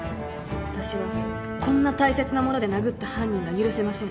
私はこんな大切なもので殴った犯人が許せません